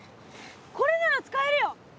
これなら使えるよ！